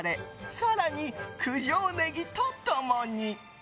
更に、九条ネギと共に。